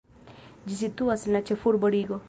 Ĝi situas en la ĉefurbo Rigo.